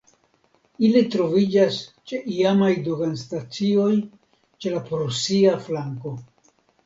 Ili troviĝas ĉe iamaj doganstacioj ĉe la prusia flanko.